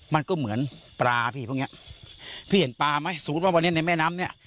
มันก็เหมือนปลาพี่พวกเนี้ยพี่เห็นปลาไหมสมมุติว่าวันนี้ในแม่น้ำเนี้ย